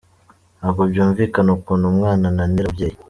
Ntago byumvikana ukuntu umwana ananira ababyeyi.